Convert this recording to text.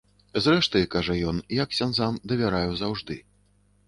Зрэшты, кажа ён, я ксяндзам давяраю заўжды.